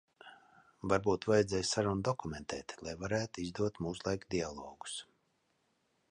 Varbūt vajadzēja sarunu dokumentēt, lai varētu izdot mūslaiku dialogus.